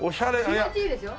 気持ちいいでしょ？